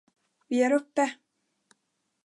Vi är uppe!